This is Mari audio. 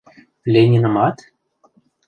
— Ленинымат?